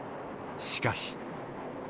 しかし。